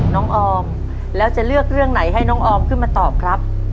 น้องออมแล้วจะเลือกเรื่องไหนให้น้องออมขึ้นมาตอบครับ